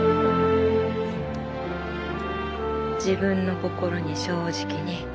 自分の心に正直に